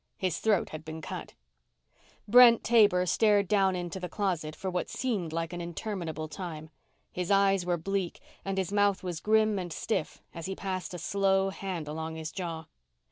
His throat had been cut. Brent Taber stared down into the closet for what seemed like an interminable time. His eyes were bleak and his mouth was grim and stiff as he passed a slow hand along his jaw.